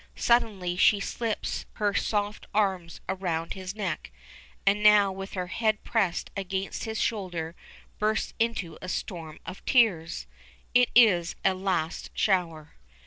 Suddenly she slips her soft arms around his neck, and now with her head pressed against his shoulder, bursts into a storm of tears. It is a last shower.